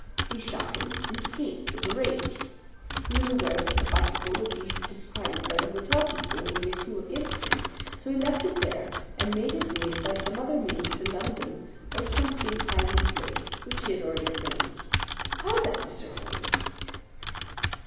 He shot him and escaped, as arranged. He was aware that the bicycle would be described by the hotel people and be a clue against him; so he left it there and made his way by some other means to London or to some safe hiding place which he had already arranged. How is that, Mr. Holmes?"